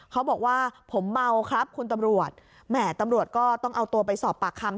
เขาบอกว่าผมเมาครับคุณตำรวจแหม่ตำรวจก็ต้องเอาตัวไปสอบปากคำ